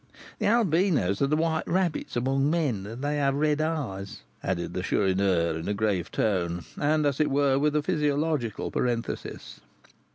The Albinos are the white rabbits amongst men; they have red eyes," added the Chourineur, in a grave tone, and, as it were, with a physiological parenthesis.